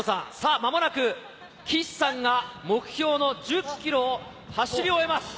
間もなく岸さんが、目標の１０ｋｍを走り終えます。